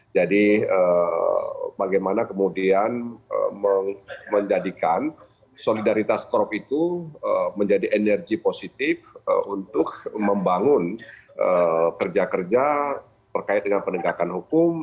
jadi bagaimana kemudian menjadikan solidaritas korup itu menjadi energi positif untuk membangun kerja kerja berkait dengan penegakan hukum